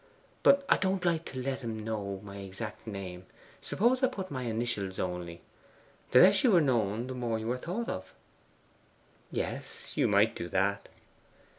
'But I don't like to let him know my exact name. Suppose I put my initials only? The less you are known the more you are thought of.' 'Yes; you might do that.